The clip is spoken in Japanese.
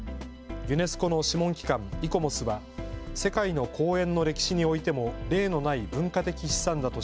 ユネスコの諮問機関、イコモスは世界の公園の歴史においても例のない文化的資産だと